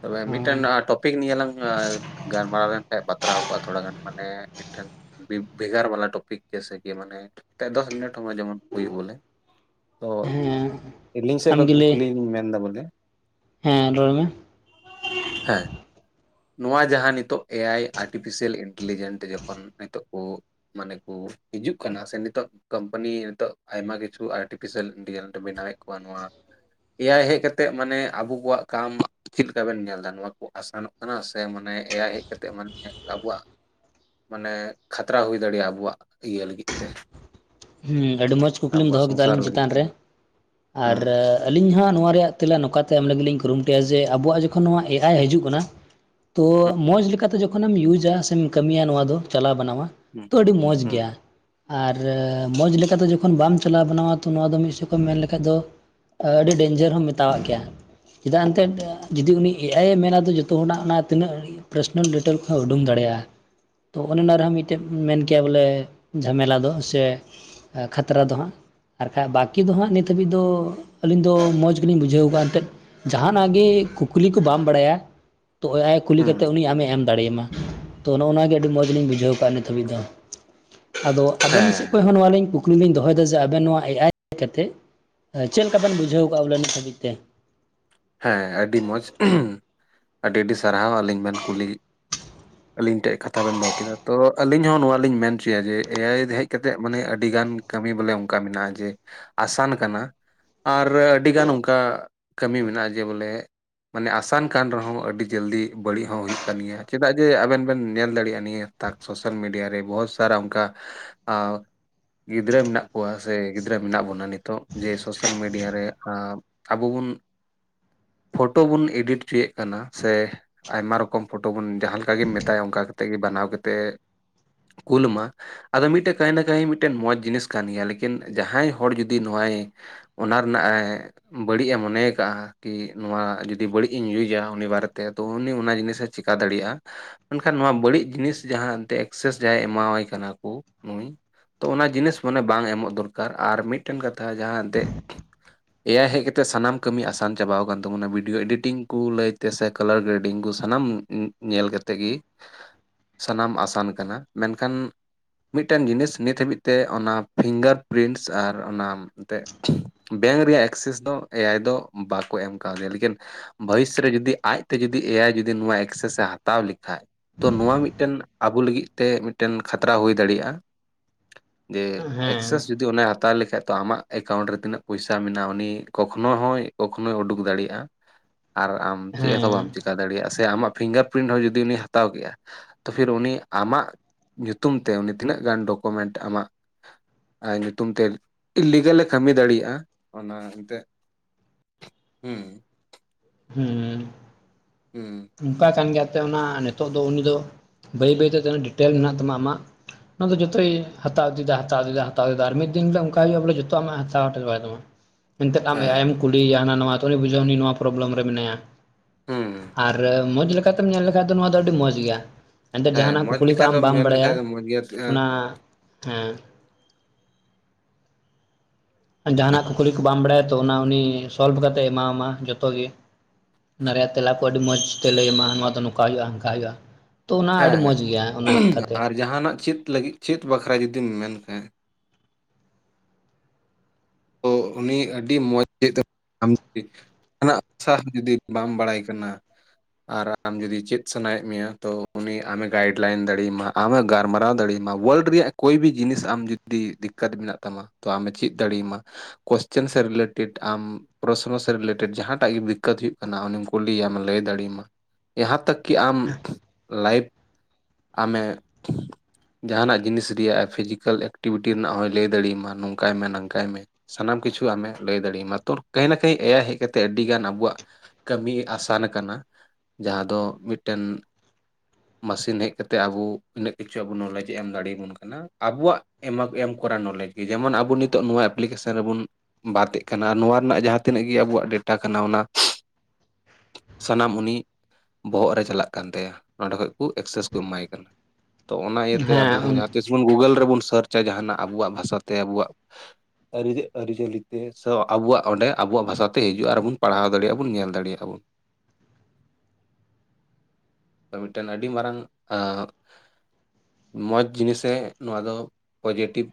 ᱛᱚᱵᱮ ᱢᱤᱫᱴᱮᱱ
ᱦᱮᱸ
ᱴᱚᱯᱤᱠ ᱱᱤᱭᱮᱞᱟᱝ ᱜᱟᱞᱢᱟᱨᱟᱣᱮᱱ [unintelligible] ᱵᱟᱛᱨᱟᱣ ᱠᱚᱜᱼᱟ ᱛᱷᱚᱲᱟ ᱜᱟᱱ ᱢᱟᱱᱮ ᱢᱤᱫᱴᱮᱱ᱾ ᱵᱷᱮᱜᱟᱨ ᱵᱟᱞᱟ ᱴᱚᱯᱤᱠ ᱡᱮᱥᱮᱠᱤ ᱢᱟᱱᱮ ᱫᱚᱥ ᱢᱤᱱᱤᱴ ᱦᱚᱸ ᱡᱮᱢᱚᱱ ᱦᱩᱭᱩᱜ ᱵᱚᱞᱮ, ᱛᱚ
ᱦᱮᱸ
ᱟᱹᱞᱤᱧ ᱥᱮᱫ ᱠᱷᱚᱱ
ᱟᱢᱜᱮ ᱞᱟᱹᱭ
ᱠᱩᱠᱞᱤ ᱞᱤᱧ ᱢᱮᱱᱫᱟ ᱵᱚᱞᱮ?
ᱦᱮᱸ ᱨᱚᱲ ᱢᱮ
ᱦᱮᱸ, ᱱᱚᱣᱟ ᱡᱟᱦᱟᱸ ᱱᱤᱛᱚᱜ ᱮ ᱟᱭ ᱟᱨᱴᱤᱯᱷᱮᱥᱤᱭᱟᱞ ᱤᱱᱴᱮᱞᱤᱡᱮᱱᱴ ᱛᱮ ᱡᱚᱠᱷᱚᱱ ᱱᱤᱛᱚᱜ ᱠᱚ, ᱢᱟᱱᱮ ᱠᱚ ᱦᱤᱡᱩᱜ ᱠᱟᱱᱟ ᱥᱮ ᱱᱤᱛᱚᱜ ᱠᱳᱢᱯᱟᱱᱤ ᱱᱤᱛᱚᱜ ᱟᱭᱢᱟ ᱠᱤᱪᱷᱩ ᱟᱨᱴᱤ, ᱚᱯᱷᱤᱥᱟᱞ ᱤᱱᱴᱤᱞᱤᱡᱮᱱᱰ ᱮ ᱵᱮᱱᱟᱣᱮᱫ ᱠᱚᱣᱟ, ᱱᱚᱣᱟ ᱮᱭᱟᱭ ᱦᱮᱡ ᱠᱟᱛᱮᱜ ᱢᱟᱱᱮ ᱟᱵᱚ ᱠᱚᱣᱟᱜ ᱠᱟᱢ, ᱪᱮᱫ ᱞᱮᱠᱟ ᱵᱮᱱ ᱧᱮᱞ ᱮᱫᱟ ᱱᱚᱣᱟ ᱠᱚ ᱟᱥᱟᱱᱚᱜ ᱠᱟᱱᱟ ᱥᱮ ᱢᱟᱱᱮ ᱮᱭᱟᱭ ᱦᱮᱡ ᱠᱟᱛᱮ ᱢᱟᱱᱮ ᱟᱵᱚᱣᱟᱜ, ᱢᱟᱱᱮ ᱠᱷᱟᱛᱨᱟ ᱦᱩᱭ ᱫᱟᱲᱮᱭᱟᱜᱼᱟ ᱟᱵᱚᱣᱟᱜ ᱤᱭᱟᱹ ᱞᱟᱹᱜᱤᱫ ᱛᱮ?
ᱦᱩᱸ ᱟᱹᱰᱤ ᱢᱚᱸᱡᱽ ᱠᱩᱠᱞᱤᱢ
ᱟᱵᱚᱣᱟᱜ
ᱫᱚᱦᱚ ᱠᱮᱫᱟ
ᱥᱚᱝᱥᱟᱨ
ᱟᱹᱞᱤᱧ
ᱞᱟᱹᱜᱤᱫ
ᱪᱮᱛᱟᱱ
ᱛᱮ
ᱨᱮ ᱟᱨ
ᱦᱩᱸ
ᱟᱹᱞᱤᱧ ᱦᱚᱸ ᱱᱚᱣᱟ ᱨᱮᱭᱟᱜ, ᱛᱮᱞᱟ ᱱᱚᱝᱠᱟᱛᱮ ᱮᱢ ᱞᱟᱹᱜᱤᱫ ᱞᱤᱧ ᱠᱩᱨᱩᱢᱩᱴᱩᱭᱟ ᱡᱮ ᱟᱵᱚᱣᱟᱜ ᱡᱚᱠᱷᱚᱱ ᱱᱚᱣᱟ ᱮ ᱟᱭ ᱦᱤᱡᱩᱜ ᱠᱟᱱᱟ᱾ ᱛᱚ ᱢᱚᱸᱡᱽ ᱞᱮᱠᱟᱛᱮ ᱡᱚᱠᱷᱚᱱᱮᱢ ᱤᱭᱩᱡᱟ ᱥᱮᱢ ᱠᱟᱹᱢᱤᱭᱟ ᱱᱚᱣᱟ ᱫᱚ ᱪᱟᱞᱟᱣ ᱵᱟᱱᱟᱣᱟ᱾
ᱦᱩᱸ,
ᱛᱚ ᱟᱹᱰᱤ ᱢᱚᱡᱽ
ᱦᱩᱸ
ᱜᱮᱭᱟ ᱟᱨ, ᱢᱚᱡᱽ ᱞᱮᱠᱟᱛᱮ ᱡᱚᱠᱷᱚᱱ ᱵᱟᱢ ᱪᱟᱞᱟᱣ ᱵᱟᱱᱟᱣᱟ ᱛᱚ ᱱᱚᱣᱟ ᱫᱚ ᱢᱤᱫ ᱥᱮᱠᱚᱢ ᱢᱮᱱ ᱞᱮᱠᱷᱟᱡ ᱫᱚ᱾ ᱟᱹᱰᱤ ᱰᱮᱧᱡᱟᱨ ᱦᱚᱸᱢ ᱢᱮᱛᱟᱣᱟᱜ ᱠᱮᱭᱟ᱾ ᱪᱮᱫᱟᱜ ᱮᱱᱛᱮᱫ ᱡᱩᱫᱤ ᱩᱱᱤ ᱮ ᱟᱭ ᱮ ᱢᱮᱱᱟ ᱡᱮ ᱡᱚᱛᱚ ᱦᱚᱲᱟᱜ ᱚᱱᱟ ᱛᱤᱱᱟᱹᱜ, ᱯᱟᱨᱥᱚᱱᱟᱞ ᱰᱤᱴᱮᱞ ᱠᱚᱦᱚᱸᱭ ᱩᱰᱩᱝ ᱫᱟᱲᱮᱭᱟᱜᱼᱟ᱾ ᱛᱚ ᱚᱱᱮ ᱚᱱᱟ ᱨᱮᱦᱚᱸ ᱢᱤᱫᱴᱮᱡ ᱢᱮᱱ ᱠᱮᱭᱟ ᱵᱚᱞᱮ ᱡᱷᱟᱢᱮᱞᱟ ᱫᱚ ᱥᱮ? ᱠᱷᱟᱛᱨᱟ ᱫᱚ ᱦᱟᱸᱜ᱾ ᱟᱨ ᱠᱷᱟᱡ ᱵᱟᱠᱤ ᱫᱚ ᱦᱟᱸᱜ ᱱᱤᱛ ᱦᱟᱹᱵᱤᱡ ᱫᱚ ᱟᱹᱞᱤᱧ ᱫᱚ ᱢᱚᱡᱽ ᱜᱮᱞᱤᱧ ᱵᱩᱡᱷᱟᱹᱣ ᱟᱠᱟᱜᱼᱟ ᱮᱱᱛᱮᱫ᱾ ᱡᱟᱦᱟᱱᱟᱜ ᱜᱮ ᱠᱩᱠᱞᱤ ᱠᱚ ᱵᱟᱢ ᱵᱟᱲᱟᱭᱟ? ᱛᱚ ᱮ ᱟᱭ ᱠᱩᱞᱤ
ᱦᱩᱸ
ᱠᱟᱛᱮ ᱩᱱᱤ ᱟᱢᱮ ᱮᱢ ᱫᱟᱲᱮᱭᱟᱢᱟ ᱛᱚ ᱱᱚᱜᱚ ᱱᱚᱣᱟ ᱜᱮ ᱟᱹᱰᱤ ᱢᱚᱡᱽ ᱞᱤᱧ ᱵᱩᱡᱷᱟᱹᱣ ᱠᱟᱜ-ᱟ᱾ [inaudible] ᱟᱫᱚ ᱟᱵᱮᱱ ᱥᱮᱫ? ᱠᱷᱚᱱ
ᱦᱮᱸ
ᱦᱚᱸ ᱱᱚᱣᱟ ᱞᱤᱧ ᱠᱩᱠᱞᱤ ᱞᱤᱧ ᱫᱚᱦᱚᱭᱮᱫᱟ ᱡᱮ ᱟᱵᱮᱱ ᱱᱚᱣᱟ ᱮ ᱟᱭ ᱠᱟᱛᱮ? ᱪᱮᱫ ᱞᱮᱠᱟ ᱵᱮᱱ ᱵᱩᱡᱷᱟᱹᱣ ᱠᱟᱜᱼᱟ ᱵᱚᱞᱮ ᱱᱤᱛ ᱦᱟᱹᱵᱤᱡ ᱛᱮ?
ᱦᱮᱸ ᱟᱹᱰᱤ ᱢᱚᱡᱽ ᱟᱹᱰᱤ ᱟᱹᱰᱤ ᱥᱟᱨᱦᱟᱣ ᱟᱹᱞᱤᱧ ᱵᱮᱱ ᱠᱩᱞᱤ?
[unintelligible]
ᱟᱞᱤᱧ ᱴᱷᱮᱡ ᱠᱟᱛᱷᱟ ᱵᱮᱱ ᱫᱚᱦᱚ ᱠᱮᱫᱟ᱾ ᱛᱚ ᱟᱹᱞᱤᱧ ᱦᱚᱸ ᱱᱚᱣᱟ ᱞᱤᱧ ᱢᱮᱱ ᱚᱪᱚᱭᱟ ᱡᱮ ᱮ ᱟᱭ ᱦᱮᱡ ᱠᱟᱛᱮᱜ ᱢᱟᱱᱮ ᱟᱹᱰᱤᱜᱟᱱ, ᱠᱟᱹᱢᱤ ᱵᱚᱞᱮ ᱚᱱᱠᱟ ᱢᱮᱱᱟᱜᱼᱟ ᱡᱮ ᱟᱥᱟᱱ ᱠᱟᱱᱟ᱾ ᱟᱨ ᱟᱹᱰᱤᱜᱟᱱ ᱚᱱᱠᱟ ᱠᱟᱹᱢᱤ ᱢᱮᱱᱟᱜᱼᱟ ᱡᱮ ᱵᱚᱞᱮ? ᱢᱟᱱᱮ ᱟᱥᱟᱱ ᱠᱟᱱ ᱨᱮᱦᱚᱸ ᱟᱹᱰᱤ ᱡᱚᱞᱫᱤ ᱵᱟᱹᱲᱤᱡ ᱦᱚᱸ ᱦᱩᱭᱩᱜ ᱠᱟᱱ ᱜᱮᱭᱟ ᱪᱮᱫᱟᱜ ᱡᱮ ᱟᱵᱮᱱ ᱵᱮᱱ ᱧᱮᱞ ᱫᱟᱲᱮᱭᱟᱜᱼᱟ ᱱᱤᱭᱟᱹ, ᱛᱟᱠ ᱥᱳᱥᱟᱞ ᱢᱤᱰᱤᱭᱟ ᱨᱮ ᱵᱚᱦᱚᱛ ᱥᱟᱨᱟ ᱚᱝᱠᱟ ᱟ ᱜᱤᱫᱽᱨᱟᱹ ᱢᱮᱱᱟᱜ ᱠᱚᱣᱟ ᱥᱮ ᱜᱤᱫᱽᱨᱟᱹ ᱢᱮᱱᱟᱜ ᱵᱚᱱᱟ ᱱᱤᱛᱚᱜ ᱡᱮ ᱥᱳᱥᱟᱞ ᱢᱤᱰᱤᱭᱟ ᱨᱮ ᱟᱵ ᱟᱵᱚ ᱵᱚᱱ, ᱯᱷᱳᱴᱳ ᱵᱚᱱ ᱮᱰᱤᱴ ᱪᱚᱭᱮᱫ ᱠᱟᱱᱟ ᱥᱮ? ᱟᱭᱢᱟ ᱨᱚᱠᱚᱢ ᱯᱷᱳᱴᱳ ᱵᱚᱱ ᱡᱟᱦᱟᱸ ᱞᱮᱠᱟ ᱜᱮᱢ ᱢᱮᱛᱟᱭᱟ ᱚᱱᱠᱟ ᱠᱟᱛᱮᱫ ᱜᱮ ᱵᱮᱱᱟᱣ ᱠᱟᱛᱮᱫ ᱠᱩᱞ ᱟᱢᱟ᱾ ᱟᱫᱚ ᱢᱤᱫᱴᱮᱱ ᱠᱟᱹᱦᱱᱟ ᱠᱟᱹᱦᱤ ᱢᱤᱫᱴᱮᱱ ᱢᱚᱸᱡᱽ ᱡᱤᱱᱤᱥ ᱠᱟᱱ ᱜᱮᱭᱟ ᱞᱮᱠᱤᱱ ᱡᱟᱦᱟᱸᱭ ᱦᱚᱲ ᱡᱩᱫᱤ ᱱᱚᱟᱭ, ᱚᱱᱟ ᱨᱮᱱᱟᱜ ᱮ ᱵᱟᱹᱲᱤᱡᱼ ᱮ ᱢᱚᱱᱮ ᱠᱟᱜᱼᱟ, ᱠᱤ ᱱᱚᱣᱟ ᱡᱩᱫᱤ ᱵᱟᱹᱲᱤᱡ ᱤᱧ ᱤᱭᱩᱡᱟ ᱩᱱᱤ ᱵᱟᱨᱮᱛᱮ ᱛᱚ ᱩᱱᱤ ᱚᱱᱟ ᱡᱤᱱᱤᱥᱮ ᱪᱮᱠᱟ ᱫᱟᱲᱮᱭᱟᱜᱼᱟ᱾ ᱢᱮᱱᱠᱷᱟᱱ ᱱᱚᱣᱟ ᱵᱟᱹᱲᱤᱡ ᱡᱤᱱᱤᱥ ᱡᱟᱦᱟᱸ ᱮᱱᱛᱮᱡ ᱮᱠᱥᱮᱥ ᱡᱟᱦᱟᱸᱭ ᱮᱢᱟᱣᱟᱭ ᱠᱟᱱᱟ ᱠᱚ ᱱᱩᱭ, ᱚᱱᱟ ᱡᱤᱱᱤᱥ ᱢᱟᱱᱮ ᱵᱟᱝ ᱮᱢᱚᱜ ᱫᱚᱨᱠᱟᱨ ᱟᱨ ᱢᱤᱫᱴᱮᱱ ᱠᱟᱛᱷᱟ ᱡᱟᱦᱟᱸ ᱫᱮᱡ, ᱮᱭᱟᱭ ᱦᱮᱡ ᱠᱟᱛᱮ ᱥᱟᱱᱟᱢ ᱠᱟᱹᱢᱤ ᱟᱥᱟᱱ, ᱪᱟᱵᱟᱟᱣ ᱠᱟᱱ ᱛᱟᱵᱚᱱᱟ ᱵᱷᱤᱰᱤᱭᱳ ᱮᱰᱤᱴᱤᱝ ᱠᱚ ᱞᱟᱹᱭ ᱛᱮ ᱥᱮ ᱠᱟᱞᱟᱨ ᱜᱨᱮᱰᱤᱝ ᱠᱚ ᱥᱟᱱᱟᱢ ᱧᱮᱞ ᱠᱟᱛᱮ ᱜᱮ, ᱥᱟᱱᱟᱢ ᱟᱥᱟᱱ ᱠᱟᱱᱟ ᱢᱮᱱᱠᱷᱟᱱ? ᱢᱤᱫᱴᱮᱱ ᱡᱤᱱᱤᱥ ᱱᱤᱛ ᱦᱟᱹᱵᱤᱡ ᱛᱮ ᱚᱱᱟ ᱯᱷᱤᱝᱜᱟᱨ ᱯᱨᱤᱱᱥ ᱟᱨ ᱚᱱᱟ, ᱛᱮᱫ ᱵᱮᱝᱠ ᱨᱮᱭᱟᱜ ᱮᱠᱥᱮᱥ ᱫᱚ ᱮᱭᱟᱭ ᱫᱚ ᱵᱟᱠᱚ ᱮᱢ ᱠᱟᱣᱫᱮᱭᱟ ᱞᱮᱠᱤᱱ? ᱵᱷᱚᱭᱤᱥ ᱨᱮ ᱡᱩᱫᱤ ᱟᱡᱛᱮ ᱡᱩᱫᱤ ᱮᱭᱟᱭ ᱡᱩᱫᱤ ᱱᱚᱣᱟ ᱮᱠᱥᱮᱥ ᱮ ᱦᱟᱛᱟᱣ ᱞᱮᱠᱷᱟᱡ? ᱛᱚ ᱱᱚᱣᱟ ᱢᱤᱫᱴᱮᱱ ᱟᱵᱚ ᱞᱟᱹᱜᱤᱫ ᱛᱮ ᱢᱤᱫᱴᱮᱱ ᱠᱷᱟᱛᱨᱟ ᱦᱩᱭ ᱫᱟᱲᱮᱭᱟᱜᱼᱟ᱾ ᱡᱮ
ᱦᱮᱸ
ᱮᱠᱥᱮᱥ ᱡᱩᱫᱤ ᱚᱱᱟᱭᱟᱫ, ᱛᱟᱦᱚᱞᱮ ᱠᱷᱟᱡ ᱛᱚ ᱟᱢᱟᱜ ᱮᱠᱟᱣᱩᱸᱴ ᱨᱮ ᱛᱤᱱᱟᱹᱜ ᱯᱚᱭᱥᱟ ᱢᱮᱱᱟᱜᱼᱟ ᱩᱱᱤ ᱠᱚᱠᱷᱚᱱᱚ ᱦᱚᱸᱭ ᱠᱚᱠᱷᱚᱱᱳᱭ ᱩᱰᱩᱠ ᱫᱟᱲᱮᱭᱟᱜᱼᱟ ᱟᱨ ᱟᱢ ᱪᱮᱫ
ᱦᱮᱸ
ᱦᱚᱸᱛᱚ ᱵᱟᱢ ᱪᱮᱠᱟ ᱫᱟᱲᱮᱭᱟᱜᱼᱟ᱾ ᱥᱮ ᱟᱢᱟᱜ ᱯᱷᱤᱝᱜᱟᱨ ᱯᱨᱤᱱᱴ ᱦᱚᱸ ᱡᱩᱫᱤ ᱩᱱᱤᱭ ᱦᱟᱛᱟᱣ ᱠᱮᱜᱼᱟᱭ, ᱛᱚ ᱯᱷᱤᱨ ᱩᱱᱤ ᱟᱢᱟᱜ ᱧᱩᱛᱩᱢ ᱛᱮ ᱩᱱᱤ ᱛᱤᱱᱟᱹᱜ ᱜᱟᱱ ᱰᱚᱠᱳᱢᱮᱱᱴ ᱟᱢᱟᱜ ᱟᱨ ᱧᱩᱛᱩᱢ ᱛᱮ ᱞᱤᱜᱟᱹᱞᱮ ᱠᱟᱹᱢᱤ ᱫᱟᱲᱮᱭᱟᱜᱼᱟ ᱚᱱᱟ ᱮᱱᱛᱮᱫ ᱦᱩᱸ
ᱦᱩᱸᱻ
ᱦᱩᱸ
ᱚᱱᱠᱟ ᱠᱟᱱ ᱜᱮᱭᱟ ᱛᱚ ᱚᱱᱟ ᱱᱤᱛᱚᱜ ᱫᱚ ᱩᱱᱤ ᱫᱚ ᱵᱟᱹᱭ ᱵᱟᱹᱭ ᱛᱤᱱᱟ. ᱜ ᱰᱤᱴᱮᱞ ᱢᱮᱱᱟᱜ ᱛᱟᱢᱟ ᱟᱢᱟᱜ ᱚᱱᱟ ᱫᱚ ᱡᱚᱛᱚᱭ ᱦᱟᱛᱟᱣ ᱤᱫᱤ ᱮᱫᱟ ᱦᱟᱛᱟᱣ ᱤᱫᱤ ᱮᱫᱟ ᱦᱟᱛᱟᱣ ᱮᱫᱟ ᱟᱨ ᱢᱤᱫ ᱫᱤᱱ ᱫᱚ ᱚᱱᱠᱟ ᱦᱩᱭᱩᱜᱼᱟ ᱵᱚᱞᱮ ᱡᱚᱛᱚ ᱟᱢᱟᱜ ᱦᱟᱛᱟᱣ ᱴᱟᱞᱵᱟ ᱛᱟᱢᱟ᱾ ᱢᱮᱱᱛᱮᱫ ᱟᱢ ᱮᱭᱟᱭ
ᱦᱮᱸ
ᱮᱢ ᱠᱩᱞᱤᱭᱮᱭᱟ ᱦᱟᱱᱟ ᱱᱚᱣᱟ ᱛᱷᱩᱲᱤ ᱵᱩᱡᱷᱟ. ᱣᱟ ᱩᱱᱤ ᱱᱚᱣᱟ ᱯᱨᱚᱵᱞᱮᱢ ᱨᱮ ᱢᱮᱱᱟᱭᱟ᱾
ᱦᱩᱸ
ᱟᱨ ᱢᱚᱡᱽ ᱞᱮᱠᱟᱛᱮᱢ ᱧᱮᱞ ᱞᱮᱠᱷᱟᱡ ᱫᱚ ᱱᱚᱣᱟ ᱫᱚ ᱟᱹᱰᱤ ᱢᱚᱸᱡᱽ ᱜᱮᱭᱟ ᱮᱱᱛᱮᱜ
ᱦᱮᱸ
ᱡᱟᱦᱟᱱᱟᱜ
ᱢᱚᱸᱡᱽ
ᱠᱩᱠᱞᱤ ᱠᱚ
ᱞᱮᱠᱟ
ᱟᱢ
ᱫᱚᱢ
ᱵᱟᱢ
ᱧᱮᱞ
ᱵᱟᱲᱟᱭᱟ
ᱞᱮᱠᱷᱟᱡ ᱫᱚ ᱢᱚᱸᱡᱽ ᱜᱮᱭᱟ
ᱚᱱᱟ ᱦᱮᱸ
ᱦᱮᱸ
ᱡᱟᱦᱱᱟᱜ ᱠᱩᱠᱞᱤ ᱠᱚ ᱵᱟᱢ ᱵᱟᱲᱟᱭᱟ ᱛᱚ ᱚᱱᱟ ᱩᱱᱤ ᱥᱚᱞᱵᱷ ᱠᱟᱛᱮᱫ ᱮ ᱮᱢᱟᱣ ᱟᱢᱟ ᱡᱚᱛᱚ ᱜᱮ ᱚᱱᱟ ᱨᱮᱱᱟᱜ ᱛᱮᱞᱟ ᱠᱚ ᱟᱹᱰᱤ ᱢᱚᱸᱡᱽ ᱛᱮ ᱞᱟᱹᱭ ᱟᱢᱟ ᱱᱚᱣᱟ ᱫᱚ ᱱᱚᱝᱠᱟ ᱦᱩᱭᱩᱜᱼᱟ ᱦᱟᱝᱠᱟ ᱦᱩᱭᱩᱜᱼᱟ᱾ ᱛᱚ ᱚᱱᱟ ᱟᱹᱰᱤ
ᱦᱮᱸ
ᱢᱚᱡᱽ ᱜᱮᱭᱟ ᱚᱱᱟ ᱞᱮᱠᱟᱛᱮ
ᱟᱨ ᱡᱟᱦᱟᱸᱟᱱᱟᱜ ᱪᱮᱫ ᱞᱟᱹᱜᱤᱫ ᱪᱮᱫ ᱵᱟᱠᱷᱨᱟ ᱡᱩᱫᱤᱢ ᱢᱮᱱ ᱠᱷᱟᱱ, ᱛᱚ ᱩᱱᱤ ᱟᱹᱰᱤ ᱢᱚᱸᱡᱽ ᱛᱮᱫᱚ [unintelligible] ᱩᱱᱟᱜ ᱩᱛᱥᱟᱦᱚ ᱡᱩᱫᱤ ᱵᱟᱢ ᱵᱟᱲᱟᱭ ᱠᱟᱱᱟ, ᱟᱨ ᱟᱢ ᱡᱩᱫᱤ ᱪᱮᱫ ᱥᱟᱱᱟᱭᱮᱫ ᱢᱮᱭᱟ ᱛᱚ ᱩᱱᱤ ᱟᱢᱮ ᱜᱟᱭᱤᱰ ᱞᱟᱭᱤᱱ ᱫᱟᱲᱮᱭ ᱟᱢᱟ, ᱟᱢᱮ ᱜᱟᱞᱢᱟᱨᱟᱣ ᱫᱟᱲᱮᱭᱟᱢᱟ ᱳᱣᱟᱨᱞᱰ ᱨᱮᱭᱟᱜ ᱠᱳᱭᱵᱤ ᱡᱤᱱᱤᱥ ᱟᱢ ᱡᱩᱫᱤ ᱫᱤᱠᱠᱟᱛ ᱢᱮᱱᱟᱜ ᱛᱟᱢᱟ ᱛᱚ ᱟᱢᱮ ᱪᱮᱫ ᱫᱟᱲᱮᱭᱟᱢᱟ ᱠᱚᱥᱪᱮᱱ ᱥᱮ ᱨᱤᱞᱮᱴᱮᱰ ᱟᱢ ᱯᱨᱚᱥᱱᱚ ᱥᱮ ᱨᱤᱞᱮᱴᱮᱰ ᱡᱟᱦᱟᱸᱴᱟᱜ ᱜᱮ ᱫᱤᱠᱠᱟᱛ ᱦᱩᱭᱩᱜ ᱠᱟᱱᱟ ᱩᱱᱤᱢ ᱠᱩᱞᱤᱭᱮᱭᱟ ᱞᱟᱹᱭ ᱫᱟᱲᱮᱭᱟᱢᱟ ᱡᱟᱦᱟᱸ ᱛᱟᱠ ᱠᱤ ᱟᱢ ᱞᱟᱭᱤᱯᱷ ᱟᱢᱮ ᱡᱟᱦᱟᱱᱟᱜ ᱡᱤᱱᱤᱥ ᱨᱮᱭᱟᱜ ᱯᱷᱤᱡᱤᱠᱮᱞ ᱮᱠᱴᱤᱵᱷᱤᱴᱤ ᱨᱮᱱᱟᱜ ᱦᱚᱸᱭ ᱞᱟᱹᱭ ᱫᱟᱲᱮᱭᱟᱢᱟ ᱱᱚᱝᱠᱟᱭ ᱢᱮ ᱱᱟᱝᱠᱟᱭ ᱢᱮ᱾ ᱥᱟᱱᱟᱢ ᱠᱤᱪᱷᱩ ᱟᱢᱮ ᱞᱟᱹᱭ ᱫᱟᱲᱮᱭᱟᱢᱟ ᱛᱚ ᱠᱟᱹᱦᱤ ᱱᱟ ᱠᱟᱹᱦᱤ ᱮᱭᱟᱭ ᱦᱮᱡ ᱠᱟᱛᱮᱫ ᱟᱹᱰᱤ ᱜᱟᱱ ᱟᱵᱚᱣᱟᱜ ᱠᱟᱹᱢᱤ ᱟᱥᱟᱱ ᱟᱠᱟᱱᱟ ᱡᱟᱦᱟᱸ ᱫᱚ ᱢᱤᱫᱴᱮᱱ ᱢᱮᱥᱤᱱ ᱦᱮᱡ ᱡᱟᱛᱮ ᱟᱵᱚ ᱩᱱᱟᱹᱜ ᱠᱤᱪᱷᱩ ᱟᱵᱚ ᱱᱚᱞᱮᱡ ᱮᱢ ᱫᱟᱲᱮᱭᱟᱵᱚᱱ ᱠᱟᱱᱟ᱾ ᱟᱵᱚᱣᱟᱜ ᱮᱢᱟᱜ ᱮᱢ ᱠᱚᱨᱟ ᱱᱚᱞᱮᱡᱽ ᱜᱮ ᱡᱮᱢᱚᱱ ᱟᱵᱚ ᱱᱤᱛᱚᱜ ᱱᱚᱣᱟ ᱮᱯᱞᱤᱠᱮᱥᱚᱱ ᱨᱮᱵᱚᱱ ᱵᱟᱫ ᱮᱜ ᱠᱟᱱᱟ ᱱᱚᱣᱟ ᱨᱮᱱᱟᱜ ᱡᱟᱦᱟᱸ ᱛᱤᱱᱟᱹᱜ ᱜᱮ ᱟᱵᱚᱣᱟᱜ ᱰᱮᱴᱟ ᱠᱟᱱᱟ ᱚᱱᱟ ᱥᱟᱱᱟᱢ ᱩᱱᱤ ᱵᱚᱦᱚᱜ ᱨᱮ ᱪᱟᱞᱟᱜ ᱠᱟᱱ ᱛᱟᱭᱟ ᱚᱸᱰᱮ ᱠᱷᱚᱡ ᱠᱚ ᱮᱠᱥᱮᱥ ᱮᱢᱟᱭ ᱠᱟᱱᱟ ᱛᱚ ᱚᱱᱟ ᱤᱭᱟᱹᱛᱮ ᱟᱵᱚ ᱦᱚᱸ
ᱦᱮᱸ
ᱡᱟᱸᱦᱟ ᱛᱤᱥ ᱵᱳᱱ ᱜᱩᱜᱳᱞ ᱨᱮᱵᱚᱱ ᱥᱟᱨᱪᱟ ᱡᱟᱦᱟᱱᱟᱜ ᱟᱵᱚᱣᱟᱜ ᱵᱷᱟᱥᱟᱛᱮ ᱟᱵᱚᱣᱟᱜ ᱟᱹᱨᱤᱪᱟᱹᱞᱤ ᱛᱮ ᱟᱵᱚᱣᱟᱜ ᱚᱸᱰᱮ ᱟᱵᱚᱣᱟᱜ ᱵᱷᱟᱥᱟ ᱛᱮ ᱦᱤᱡᱩᱜᱼᱟ ᱟᱨᱵᱚᱱ ᱯᱟᱲᱦᱟᱣ ᱫᱟᱲᱮᱭᱟᱜᱼᱟ ᱵᱚᱱ ᱧᱮᱞ ᱫᱟᱲᱮᱭᱟᱜᱼᱟ ᱵᱚᱱ᱾
[inaudible]
ᱢᱤᱫᱴᱮᱱ ᱟᱹᱰᱤ ᱢᱟᱨᱟᱝ ᱢᱚᱸᱡᱽ ᱡᱤᱱᱤᱥᱮ ᱱᱚᱣᱟ ᱫᱚ ᱯᱚᱡᱮᱴᱤᱵᱽ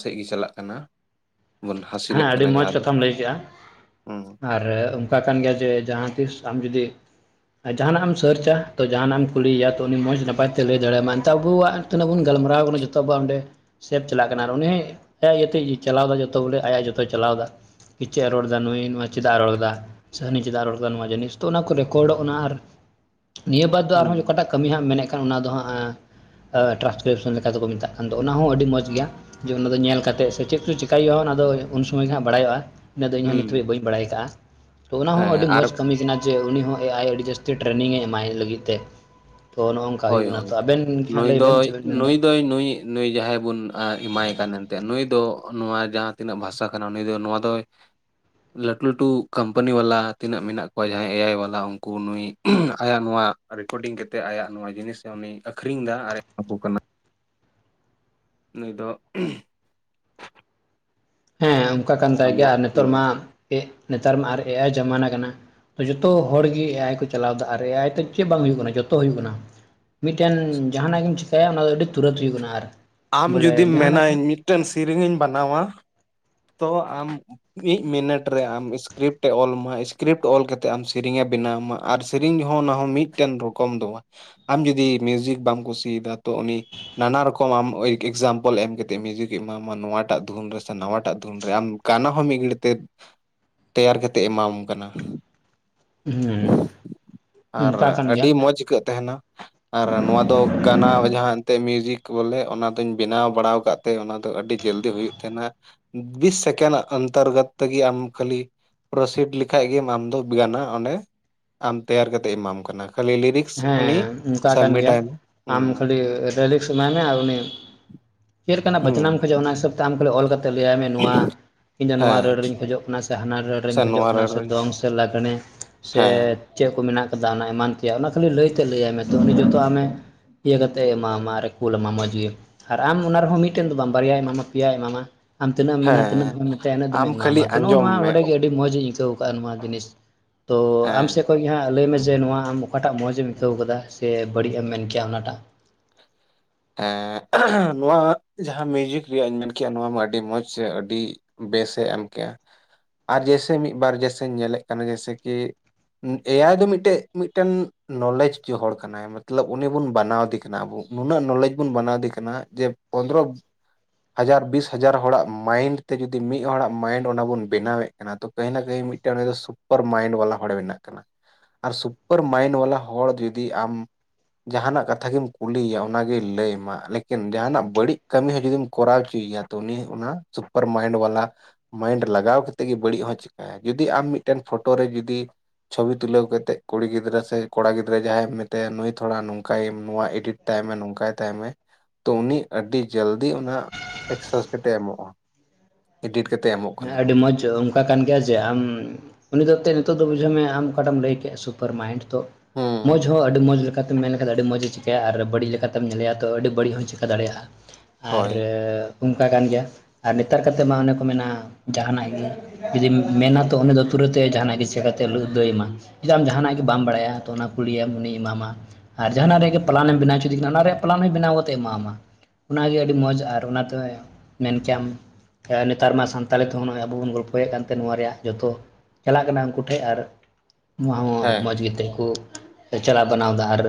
ᱥᱮᱫ ᱜᱮ ᱪᱟᱞᱟᱜ ᱠᱟᱱᱟ ᱵᱚᱱ
ᱦᱮᱸ
ᱦᱟᱹᱥᱤᱞᱮᱫ
ᱟᱹᱰᱤ
ᱠᱟᱱᱟ
ᱢᱚᱸᱡᱽ
ᱡᱟᱦᱟᱸ ᱫᱚ
ᱠᱟᱛᱷᱟᱢ ᱞᱟᱹᱭ ᱠᱮᱜᱼᱟ
ᱦᱮᱸ᱾
ᱟᱨ ᱚᱱᱠᱟ ᱠᱟᱱ ᱜᱮᱭᱟ ᱡᱮ ᱡᱟᱦᱟᱸ ᱛᱤᱥ ᱟᱢ ᱡᱩᱫᱤ ᱟᱨ ᱡᱟᱦᱟᱱᱟᱜ ᱮᱢ ᱥᱟᱨᱪᱟ ᱛᱚ ᱡᱟᱦᱟᱱᱟᱜ ᱮᱢ ᱠᱩᱞᱤᱭᱮᱭᱟ ᱛᱚ ᱩᱱᱤ ᱢᱚᱡᱽ ᱱᱟᱯᱟᱭ ᱛᱮ ᱞᱟᱹᱭ ᱫᱟᱲᱮᱭᱟᱢᱟ ᱮᱱᱛᱮ ᱟᱵᱚᱣᱟᱜ ᱡᱚᱛᱱᱟ ᱵᱚᱱ ᱜᱟᱞᱢᱟᱨᱟᱣ ᱠᱟᱱᱟ ᱡᱚᱛᱚ ᱟᱵᱚ ᱚᱸᱰᱮ ᱥᱮᱯᱽ ᱪᱟᱞᱟᱜ ᱠᱟᱱᱟ ᱟᱨ ᱩᱱᱤ ᱤᱭᱟᱹᱛᱮ ᱪᱟᱞᱟᱣ ᱮᱫᱟ ᱡᱚᱛᱚ ᱵᱚᱞᱮ ᱟᱭᱟᱜ ᱡᱚᱛᱚᱭ ᱪᱟᱞᱟᱣᱫᱟ ᱠᱤ ᱪᱮᱫ ᱮ ᱨᱚᱲ ᱮᱫᱟ ᱱᱩᱭ ᱱᱚᱣᱟ ᱪᱮᱫᱟᱜ ᱮ ᱨᱚᱲ ᱮᱫᱟ ᱥᱮ ᱦᱟᱱᱤ ᱪᱮᱫᱟᱜ ᱨᱚᱲ ᱫᱟ ᱱᱚᱣᱟ ᱡᱤᱱᱤᱥ ᱛᱚ ᱚᱱᱟ ᱠᱚ ᱨᱮᱠᱚᱨᱰᱚᱜ ᱠᱟᱱᱟ ᱟᱨ ᱱᱤᱭᱟᱹ ᱵᱟᱫ ᱫᱚ ᱟᱨᱦᱚᱸ
ᱦᱩᱸ
ᱚᱠᱟᱴᱟᱜ ᱠᱟᱹᱢᱤ ᱦᱟᱸᱜ ᱢᱮᱱᱮᱫ ᱠᱟᱱ ᱚᱱᱟ ᱫᱚ ᱦᱟᱸᱜ ᱴᱨᱟᱱᱥᱠᱨᱤᱯᱥᱚᱱ ᱞᱮᱠᱟᱛᱮᱠᱚ ᱢᱮᱛᱟᱜ ᱠᱟᱱ ᱫᱚ ᱚᱱᱟ ᱦᱚᱸ ᱟᱹᱰᱤ ᱢᱚᱡᱽ ᱜᱮᱭᱟ ᱡᱮ ᱚᱱᱟ ᱫᱚ ᱧᱮᱞ ᱠᱟᱛᱮᱜ ᱥᱮ ᱪᱮᱫ ᱪᱚ ᱪᱮᱠᱟᱹᱭ ᱦᱩᱭᱩᱜᱼᱟ ᱚᱱᱟ ᱫᱚ ᱩᱱ ᱥᱚᱢᱚᱭ ᱜᱮ ᱦᱟᱸᱜ ᱵᱟᱲᱟᱭᱚᱜᱼᱟ᱾ ᱤᱱᱟᱹᱜ ᱫᱚ ᱤᱧ ᱦᱚᱸ ᱱᱤᱛ
ᱦᱩᱸ
ᱦᱟᱹᱵᱤᱡ ᱵᱟᱹᱧ ᱵᱟᱲᱟᱭ ᱟᱠᱟᱟᱜᱼᱟ ᱛᱚ ᱚᱱᱟ ᱦᱚᱸ
ᱦᱮᱸ
ᱟᱹᱰᱤ
ᱟᱨ
ᱢᱚᱡᱽ ᱠᱟᱹᱢᱤ ᱠᱟᱱᱟ᱾ ᱡᱮ ᱩᱱᱤ ᱦᱚᱸ ᱮ ᱟᱭ ᱟᱹᱰᱤ ᱡᱟᱹᱥᱛᱤ ᱴᱨᱮᱱᱤᱝ ᱮ ᱮᱢᱟᱭ ᱞᱟᱹᱜᱤᱫ ᱛᱮ᱾ ᱛᱚ ᱱᱚᱜᱼ ᱱᱚᱝᱠᱟ
ᱦᱳᱭ
ᱦᱩᱭᱩᱜ ᱠᱟᱱᱟ ᱛᱚ ᱟᱵᱮᱱ ᱜᱮ ᱦᱟᱸᱜ ᱞᱟᱹᱭ ᱵᱮᱱ ᱪᱮᱫ ᱵᱮᱱ ᱢᱮᱱ ᱫᱟ
ᱫᱚ ᱱᱩᱭ ᱱᱩᱭ ᱡᱟᱦᱟᱸᱭ ᱵᱚᱱ ᱮᱢᱟᱭ ᱠᱟᱱ ᱮᱱᱛᱮ ᱱᱩᱭ ᱫᱚ ᱱᱚᱣᱟ ᱡᱟᱦᱟᱸ ᱛᱤᱱᱟᱹᱜ ᱵᱷᱟᱥᱟ ᱠᱟᱱᱟ ᱱᱩᱭ ᱫᱚ ᱱᱚᱣᱟ ᱫᱚ ᱞᱟᱹᱴᱩ ᱞᱟᱹᱴᱩ ᱠᱳᱢᱯᱟᱱᱤ ᱵᱟᱞᱟ ᱛᱤᱱᱟᱹᱜ ᱢᱮᱱᱟᱜ ᱠᱚᱣᱟ ᱡᱟᱦᱟᱸᱭ ᱮ ᱟᱭ ᱵᱟᱞᱟ ᱩᱱᱠᱩ ᱱᱩᱭ ᱟᱭᱟᱜ ᱱᱚᱣᱟ ᱨᱮᱠᱚᱨᱰᱤᱝ ᱠᱮᱛᱮᱫ ᱟᱭᱟᱜ ᱱᱚᱣᱟ ᱡᱤᱱᱤᱥᱮ ᱩᱱᱤᱭ ᱟᱹᱠᱷᱨᱤᱧ ᱫᱟ ᱟᱨᱮ ᱮᱢᱟ ᱠᱚ ᱠᱟᱱᱟ ᱱᱩᱭ ᱫᱚ᱾
ᱦᱮᱸ ᱚᱱᱠᱟ ᱠᱟᱱ ᱛᱟᱭ ᱜᱮᱭᱟ
ᱟᱵᱚᱣᱟᱜ
ᱟᱨ ᱱᱮᱛᱚᱨ
ᱦᱩᱸ
ᱢᱟ ᱱᱮᱛᱟᱨ ᱢᱟ ᱟᱨ ᱮ ᱟᱭ ᱡᱟᱢᱟᱱᱟ ᱠᱟᱱᱟ᱾ ᱡᱚᱛᱚ ᱦᱚᱲᱜᱮ ᱮ ᱟᱭ ᱠᱚ ᱪᱟᱞᱟᱣ ᱫᱟ ᱟᱨ ᱮ ᱟᱭ ᱫᱚ ᱪᱮᱫ ᱵᱟᱝ ᱦᱩᱭᱩᱜ ᱠᱟᱱᱟ ᱡᱚᱛᱚ ᱦᱩᱭᱩᱜ ᱠᱟᱱᱟ, ᱢᱤᱫᱴᱮᱱ ᱡᱟᱦᱱᱟᱜ ᱜᱮᱢ ᱪᱤᱠᱟᱭᱟ ᱚᱱᱟ ᱫᱚ ᱟᱹᱰᱤ ᱛᱩᱨᱟᱹᱛ ᱦᱩᱭᱩᱜ ᱠᱟᱱᱟ ᱟᱨ
ᱟᱢ
ᱵᱚᱞᱮ
ᱡᱩᱫᱤᱢ
ᱡᱟᱦᱟᱱᱟᱜ
ᱢᱮᱱᱟᱧ
ᱜᱮ
ᱢᱤᱫᱴᱮᱱ ᱥᱤᱨᱧᱤᱧ ᱵᱟᱱᱟᱣᱟ ᱛᱚ ᱟᱢ ᱢᱤᱫ ᱢᱤᱱᱤᱴ ᱨᱮ ᱟᱢ ᱤᱥᱠᱨᱤᱯᱴ ᱮ ᱚᱞᱢᱟ ᱤᱥᱠᱨᱤᱯᱴ ᱚᱞ ᱠᱟᱛᱮᱫ ᱟᱢ ᱥᱮᱨᱮᱧ ᱮ ᱵᱮᱱᱟᱣ ᱟᱢᱟ ᱟᱨ ᱥᱮᱹᱨᱮᱧ ᱦᱚᱸ ᱚᱱᱟ ᱦᱚᱸ ᱢᱤᱫᱴᱮᱱ ᱨᱚᱠᱚᱢ ᱫᱚ ᱵᱟ, ᱟᱢ ᱡᱩᱚᱫᱤ ᱢᱤᱭᱣᱩᱡᱤᱠ ᱵᱟᱢ ᱠᱩᱥᱤᱭ ᱫᱟ ᱛᱚ ᱩᱱᱤ ᱱᱟᱱᱟ ᱨᱚᱠᱚᱢ ᱟᱢ ᱳᱭᱮᱠ ᱮᱠᱥᱟᱢᱯᱮᱞ ᱮᱢ ᱠᱟᱛᱮᱫ ᱢᱤᱭᱩᱡᱤᱠ ᱮᱢᱟᱢᱟ ᱱᱚᱣᱟᱴᱟᱜ ᱫᱷᱩᱱ ᱨᱮᱥ ᱥᱮ ᱱᱟᱣᱟᱴᱟᱜ ᱫᱷᱩᱱ ᱨᱮ ᱟᱢ ᱠᱟᱱᱟ ᱦᱚᱸ ᱢᱤᱫ ᱜᱷᱟᱹᱲᱤᱡ ᱛᱮ ᱛᱮᱭᱟᱨ ᱠᱟᱛᱮᱫ ᱮᱢᱟᱢ ᱠᱟᱱᱟ᱾
ᱦᱮᱸ
ᱟᱨ
ᱚᱱᱠᱟ ᱠᱟᱱ ᱜᱮᱭᱟ
ᱟᱹᱰᱤ ᱢᱚᱡᱽ ᱟᱹᱭᱠᱟᱹᱜ ᱛᱟᱦᱮᱱᱟ, ᱟᱨ ᱱᱚᱣᱟ ᱫᱚ ᱜᱟᱱᱟ ᱡᱟᱦᱟᱸ ᱮᱱᱛᱮᱫ ᱢᱤᱭᱩᱡᱤᱠ ᱵᱚᱞᱮ ᱚᱱᱟ ᱫᱚᱧ ᱵᱮᱱᱟᱣ ᱵᱟᱲᱟᱣ ᱟᱠᱟᱫ ᱛᱮ ᱚᱱᱟ ᱫᱚ ᱟᱹᱰᱤ ᱡᱚᱞᱫᱤ ᱦᱩᱭᱩᱜ ᱛᱟᱦᱮᱸᱱᱟ, ᱵᱤᱥ ᱥᱮᱠᱮᱱᱰ ᱚᱱᱛᱚᱨᱜᱚᱛ ᱛᱮᱜᱮ ᱟᱢ ᱠᱷᱟᱹᱞᱤ ᱯᱨᱚᱥᱤᱰ ᱞᱮᱠᱷᱟᱡ ᱜᱮ ᱟᱢ ᱜᱟᱱᱟ ᱚᱸᱰᱮ ᱟᱢ ᱛᱮᱭᱟᱨ ᱠᱟᱛᱮᱫ ᱮᱢᱟᱢ ᱠᱟᱱᱟ ᱠᱷᱟᱹᱞᱤ ᱞᱤᱨᱤᱠ
ᱦᱮᱸ ᱚᱱᱠᱟ ᱠᱟᱱ ᱜᱮᱭᱟ
ᱦᱩᱸ
ᱟᱢ ᱠᱷᱟᱹᱞᱤ ᱨᱮᱤᱞᱤᱠᱥ ᱮᱢᱧᱭ ᱢᱮ ᱟᱨ ᱩᱱᱤ ᱪᱮᱫ ᱞᱮᱠᱟᱱᱟᱜ ᱵᱟᱡᱽᱱᱟᱢ
ᱦᱩᱸ
ᱠᱷᱚᱡᱚᱜ-ᱟ ᱚᱱᱟ ᱦᱤᱥᱟᱹᱵ ᱛᱮ ᱟᱢ ᱠᱷᱟᱹᱞᱤ ᱚᱞ ᱠᱟᱛᱮ ᱞᱟᱹᱭ ᱟᱭ ᱢᱮ ᱱᱚᱣᱟ ᱤᱧ ᱫᱚ ᱱᱚᱣᱟ
ᱦᱮᱸ
ᱨᱟᱹᱲᱨᱮᱧ ᱠᱷᱚᱡᱚᱜ ᱠᱟᱱᱟ ᱥᱮ ᱦᱟᱱᱟ
ᱥᱮ
ᱨᱟᱹᱲᱨᱮᱧ ᱠᱷᱚᱡᱚᱜ
ᱱᱚᱣᱟ
ᱠᱟᱱᱟ
ᱨᱟᱹᱲ
ᱥᱮ
ᱦᱮᱸ
ᱫᱚᱝ ᱥᱮ ᱞᱟᱜᱽᱬᱮ ᱥᱮ ᱪᱮᱫ ᱠᱚ ᱢᱮᱱᱟᱜ ᱠᱟᱫᱟ ᱚᱱᱟ ᱮᱢᱟᱱ ᱛᱮᱭᱟᱜ ᱚᱱᱟ ᱠᱷᱟᱹᱞᱤ ᱞᱟᱹᱭᱛᱮᱜ ᱞᱟᱹᱭᱟᱭ ᱢᱮ ᱛᱚ ᱩᱱᱤ ᱡᱚᱛᱚ ᱟᱢᱮ ᱤᱭᱟᱹ ᱠᱟᱛᱮᱜ ᱮ ᱮᱢᱟᱢᱟᱣ ᱢᱟ ᱟᱨᱮ ᱠᱩᱞ ᱟᱢᱟ ᱢᱚᱸᱡ ᱜᱮ ᱟᱨ ᱟᱢ ᱚᱱᱟ ᱨᱮᱦᱚᱸ ᱢᱤᱫᱴᱮᱱ ᱫᱚ ᱵᱟᱝ ᱵᱟᱨᱭᱟᱭ ᱮᱢᱟᱢᱟ ᱯᱮᱭᱟᱭ ᱮᱢᱟᱢᱟ ᱟᱢ ᱛᱤᱱᱟᱹᱜ ᱮᱢ ᱢᱮᱱᱟ ᱛᱱᱟᱹᱜ
ᱦᱮᱸ
ᱫᱷᱚᱢᱮᱢ ᱢᱮᱛᱭᱟ ᱤᱱᱟᱹᱜ ᱫᱚᱢᱮ
ᱟᱢ
ᱮᱢᱟᱣ
ᱠᱷᱟᱹᱞᱤ
ᱢᱟ ᱛ ᱱᱚᱜᱚ
ᱟᱸᱡᱚᱢ
ᱱᱚᱣᱟ
ᱢᱮ
ᱚᱰᱮ ᱜᱮ ᱟᱹᱰᱤ ᱢᱚᱡᱽ ᱤᱧ ᱤᱠᱟᱹᱣ ᱠᱟᱜ-ᱟ ᱱᱚᱣᱟ ᱡᱤᱱᱤᱥ ᱛᱚ ᱟᱢ
ᱦᱮᱸ
ᱥᱮᱫ ᱠᱷᱚᱱ ᱜᱮ ᱦᱟᱸᱜ ᱞᱟᱹᱭ ᱢᱮ ᱡᱮ ᱱᱚᱣᱟ ᱟᱢ ᱚᱠᱟᱴᱟᱜ ᱢᱚᱸᱡᱽ ᱮᱢ ᱤᱠᱟᱹᱣ ᱠᱟᱫᱟ ᱥᱮ ᱵᱟᱹᱲᱤᱡ ᱮᱢ ᱢᱮᱱ ᱠᱮᱭᱟ ᱚᱱᱟᱴᱟᱜ
ᱱᱚᱣᱟ ᱡᱟᱦᱟᱸ ᱢᱤᱣᱩᱡᱤᱠ ᱨᱮᱭᱟᱜ ᱤᱧ ᱢᱮᱱ ᱠᱮᱜ-ᱟ ᱱᱚᱣᱟ ᱢᱟ ᱟᱹᱰᱤ ᱢᱚᱡᱽ ᱥᱮ ᱟᱰᱤ ᱵᱮᱥᱮ ᱮᱢ ᱠᱮᱜ-ᱟ ᱟᱨ ᱡᱮᱭᱥᱮ ᱢᱤᱫᱵᱟᱨ ᱡᱮᱭᱥᱮ ᱧᱮᱞᱮᱫ ᱠᱟᱱᱟ ᱡᱮᱭᱥᱮ ᱠᱤ ᱮᱭᱟᱭ ᱫᱚ ᱢᱤᱫᱴᱮᱱ ᱢᱤᱫᱴᱮᱱ ᱱᱚᱞᱮᱡ ᱠᱚ ᱦᱚᱲ ᱠᱟᱱᱟᱭ᱾ ᱢᱚᱛᱞᱚᱵ ᱩᱱᱤ ᱵᱚᱱ ᱵᱟᱱᱟᱣᱫᱮ ᱠᱟᱱᱟ ᱟᱵᱚ ᱱᱩᱱᱟᱹᱜ ᱱᱚᱞᱮᱡᱽ ᱵᱚᱱ ᱵᱮᱟᱱᱟᱣᱫᱮ ᱠᱟᱱᱟ ᱡᱮ ᱯᱚᱸᱫᱨᱚ ᱦᱟᱡᱟᱨ ᱵᱤᱥ ᱦᱟᱡᱟᱨ ᱦᱚᱲᱟᱜ ᱢᱟᱭᱤᱱᱰ ᱛᱮ ᱡᱩᱫᱤ ᱢᱤᱫ ᱦᱚᱲᱟᱜ ᱢᱟᱭᱤᱱᱰ ᱚᱱᱟ ᱵᱚᱱ ᱵᱮᱱᱟᱣᱮᱫ ᱛᱚ ᱠᱟᱹᱦᱤᱱᱟ ᱠᱟᱹᱦᱤ ᱢᱤᱫᱴᱮᱱ ᱩᱱᱤ ᱫᱚ ᱥᱩᱯᱟᱨ ᱢᱟᱭᱤᱱᱰ ᱵᱟᱞᱟ ᱦᱚᱲᱮ ᱢᱮᱱᱟᱜ ᱠᱟᱱᱟ, ᱟᱨ ᱥᱩᱯᱟᱨ ᱢᱟᱭᱤᱱᱰ ᱵᱟᱞᱟ ᱦᱚᱲ ᱡᱩᱫᱤ ᱟᱢ ᱡᱟᱦᱟᱱᱟᱜ ᱠᱟᱛᱷᱟ ᱜᱮᱢ ᱠᱩᱞᱤᱭᱭᱟ, ᱚᱱᱟᱜᱮᱭ ᱞᱟᱹᱭᱢᱟ ᱞᱮᱠᱤᱱ ᱡᱟᱦᱟᱱᱟᱜ ᱵᱟᱹᱲᱤᱡ ᱠᱟᱹᱢᱤ ᱦᱚᱸ ᱡᱩᱫᱤᱢ ᱠᱚᱨᱟᱣ ᱦᱚᱪᱚᱭᱮᱭᱟ ᱛᱚ ᱩᱱᱤ ᱚᱱᱟ ᱥᱩᱯᱟᱨ ᱢᱟᱭᱤᱱᱰ ᱵᱟᱞᱟ ᱢᱟᱭᱤᱱᱰ ᱞᱟᱜᱟᱣ ᱠᱮᱛᱮᱜ ᱜᱮ ᱵᱟᱹᱲᱤᱡ ᱦᱚᱸ ᱪᱮᱠᱟ ᱡᱩᱫᱤ ᱟᱢ ᱢᱤᱫᱴᱮᱱ ᱯᱷᱳᱴᱳ ᱨᱮ ᱡᱩᱫᱤ ᱪᱷᱚᱵᱤ ᱛᱩᱞᱟᱹᱣ ᱠᱮᱛᱮᱜ ᱠᱩᱲᱤ ᱜᱤᱫᱽᱨᱟᱹ ᱥᱮ ᱠᱚᱲᱟ ᱜᱤᱫᱽᱨᱟᱹ ᱡᱟᱦᱟᱸᱭᱮᱢ ᱢᱮᱛᱟᱭᱟ ᱱᱩᱭ ᱛᱷᱚᱲᱟ ᱱᱚᱝᱠᱟᱭ ᱱᱚᱣᱟ ᱤᱰᱤᱴ ᱛᱟᱭ ᱢᱮ ᱱᱚᱝᱠᱟᱭ ᱛᱟᱭ ᱢᱮ ᱛᱚ ᱩᱱᱤ ᱟᱹᱰᱤ ᱡᱟᱹᱞᱫᱤ ᱚᱱᱟ ᱮᱠᱥᱮᱥ ᱠᱟᱛᱮᱜ ᱮᱢᱚᱜ-ᱟ᱾ ᱤᱰᱤᱴ ᱠᱟᱛᱮᱫ ᱮᱢ
ᱦᱮᱸ ᱟᱰᱤ ᱢᱚᱡ ᱚᱝ ᱠᱟ ᱠᱟᱱ ᱜᱮᱭᱟ ᱡᱮ ᱟᱢ ᱩᱱᱤ ᱫᱚ ᱛᱮ ᱱᱤᱛᱚᱜ ᱜᱮ ᱵᱩᱡᱷᱟᱹᱣ ᱢᱮ ᱟᱢ ᱚᱠᱟᱴᱟᱢ ᱞᱟᱹᱭ ᱠᱮᱜ-ᱟ ᱥᱩᱯᱟᱨ ᱢᱟᱭᱤᱱᱰ ᱛ ᱢᱚᱡᱽ
ᱦᱩᱸ
ᱦᱚᱸ ᱟᱹᱰᱤ ᱢᱚᱡᱽ ᱠᱟᱛᱮᱢ ᱢᱮᱱ ᱞᱮᱠᱷᱟᱡ ᱫᱚ ᱟᱹᱰᱤ ᱢᱚᱡ ᱪᱤᱠᱟᱭᱟ ᱟᱨ ᱵᱟᱹᱲᱤᱡ ᱞᱮᱠᱟᱛᱮᱢ ᱧᱮᱞᱮᱭᱟ ᱛᱳ ᱟᱹᱰᱤ ᱵᱟᱲᱤᱡ ᱦᱚᱭ ᱪᱮᱠᱟ ᱫᱟᱲᱮᱭᱟᱜ-ᱟ᱾ ᱟᱨ
ᱦᱳᱭ
ᱚᱱᱠᱟ ᱠᱟᱱ ᱜᱮᱭᱟ ᱟᱨ ᱱᱮᱛᱟᱨ ᱠᱟᱛᱮᱫ ᱢᱟ ᱚᱱᱮ ᱠᱚ ᱢᱮᱱᱟ ᱡᱟᱦᱟᱱᱟᱜ ᱜᱮ ᱡᱩᱫᱤᱢ ᱢᱮᱱᱟ ᱛᱚ ᱩᱱᱤ ᱫᱚ ᱛᱩᱨᱟᱹᱛᱮ ᱡᱟᱦᱟᱱᱟᱜ ᱜᱮ ᱪᱤᱠᱟᱛᱮ ᱞᱩᱫ ᱫᱚᱭ ᱮᱢᱟ ᱡᱩᱫᱤ ᱟᱢ ᱡᱟᱦᱟᱱᱟᱜ ᱜᱮ ᱵᱟᱢ ᱵᱟᱲᱟᱭᱟ ᱛᱚ ᱚᱱᱟ ᱠᱩᱞᱤᱭᱢ ᱩᱱᱤᱭ ᱮᱢᱟᱢᱟ ᱟᱨ ᱡᱟᱦᱟᱸᱟᱱᱟᱜ ᱨᱮᱜ ᱯᱞᱟᱱᱮᱢ ᱵᱮᱱᱟᱣᱪᱮᱫᱮ ᱠᱟᱱᱟ ᱚᱱᱟ ᱨᱮᱭᱟᱜ ᱯᱞᱟᱱ ᱦᱚᱸᱭ ᱵᱮᱱᱟᱣ ᱠᱟᱛᱮ ᱮᱢᱟᱮᱢᱟ᱾ ᱚᱱᱟᱜᱮ ᱟᱹᱰᱤ ᱢᱚᱡᱽ ᱟᱨ ᱚᱱᱟᱛᱮ ᱢᱮᱱ ᱠᱮᱭᱟᱢ ᱱᱮᱛᱟᱨ ᱢᱟ ᱥᱟᱱ ᱛᱟᱞᱮ ᱛᱮᱦᱚᱸ ᱱᱚᱜ-ᱚᱭ ᱟᱵᱩ ᱵᱩᱱ ᱜᱚᱞᱯᱷᱚᱭᱮᱫ ᱠᱟᱱᱛᱮ ᱱᱚᱣᱟ ᱨᱮᱭᱟᱜ ᱡᱚᱛᱚ ᱪᱟᱞᱟᱜ ᱠᱟᱱᱟ ᱩᱱᱠᱩ ᱴᱷᱮᱡ ᱟᱨ ᱱᱚᱣᱟ ᱦᱚᱸ
ᱦᱮᱸ
ᱢᱚᱡᱽ
ᱦᱮᱸ
ᱜᱮᱛᱮ ᱠᱚ ᱪᱟᱞᱟᱣ ᱵᱟᱱᱟᱣᱫᱟ ᱟᱨ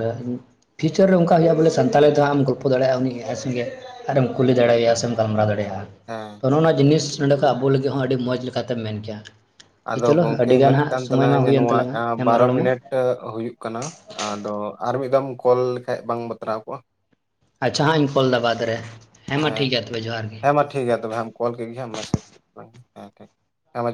ᱯᱷᱤᱭᱩᱪᱟᱨ ᱨᱮ ᱚᱱᱠᱟ ᱦᱩᱭᱩᱜ-ᱟ ᱵᱚᱞᱮ ᱥᱟᱱᱛᱟᱲᱤ ᱫᱚ ᱦᱟᱜ ᱮᱢ ᱜᱚᱞᱯᱚ ᱫᱲᱮᱭᱟᱜ-ᱟ ᱩᱱᱤ ᱟᱡ ᱥᱚᱸᱜᱮ᱾ ᱟᱛᱮᱢ ᱠᱩᱞᱤ ᱫᱟᱲᱮᱣᱟᱭ-ᱟ ᱥᱮᱢ ᱜᱟᱞᱢᱟᱨᱟᱣ ᱫᱟᱲᱮᱭᱟᱜ-ᱟ᱾
ᱦᱮᱸ,
ᱱᱚᱜ-ᱚ ᱱᱚᱣᱟ ᱡᱤᱱᱤᱥ ᱱᱚᱰᱮ ᱠᱷᱚᱱᱚᱡ ᱟᱵᱚ ᱞᱟᱹᱜᱤᱫ ᱦᱚᱸ ᱟᱹᱰᱤ ᱢᱚᱡᱽ ᱞᱮᱠᱟᱛᱮᱢ ᱢᱮᱱ ᱠᱮᱭᱟ᱾ ᱛᱚ
ᱟᱫᱚ
ᱪᱚᱞᱚ
ᱜᱚᱝᱠᱮ
ᱟᱹᱰᱤᱜᱟᱱ
ᱢᱮᱱᱮᱫ
ᱦᱟᱸᱜ
ᱠᱟᱱ
ᱥᱚᱢᱚᱭ
ᱛᱞᱟᱝ
ᱢᱟ
ᱤᱧ
ᱦᱩᱭᱮᱱ
ᱱᱚᱣᱟ
ᱛᱟᱞᱟᱝᱟ ᱦᱮᱸ ᱢᱟ
ᱵᱟᱨᱚ
ᱨᱚᱲ ᱢᱮ
ᱢᱤᱱᱤᱴ ᱦᱩᱭᱩᱜ ᱠᱟᱱᱟ᱾ ᱟᱫᱚ ᱟᱨ ᱢᱤᱫ ᱫᱷᱟᱣ ᱠᱚᱞ ᱞᱮᱠᱷᱟᱡ ᱵᱟᱝ ᱵᱟᱛᱨᱟᱣ ᱠᱚᱜ-ᱟ᱾
ᱟᱪᱪᱷᱟ ᱦᱟᱜ ᱤᱧ ᱠᱚᱞ ᱫᱟ ᱵᱟᱫᱽ ᱨᱮ᱾ ᱢᱟ ᱴᱷᱤᱠ
ᱦᱮᱸ
ᱜᱮᱭᱟ ᱛᱚᱵᱮ ᱡᱚᱦᱟᱨ ᱜᱮ
ᱦᱮᱸ ᱢᱟ ᱴᱷᱤᱠ ᱜᱮᱭᱟ ᱛᱚᱵᱮ ᱠᱚᱞ ᱠᱮᱫ ᱜᱮᱢ ᱢᱮᱥᱮᱡᱽ ᱦᱮᱸ ᱴᱷᱤᱠ ᱦᱮᱸ ᱢᱟ ᱡᱚᱦᱟᱨ᱾